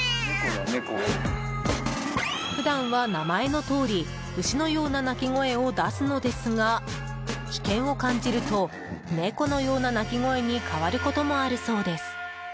普段は名前のとおり牛のような鳴き声を出すのですが危険を感じると猫のような鳴き声に変わることもあるそうです。